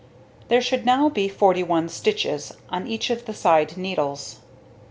There should now be 41 stitches on each of the side needles.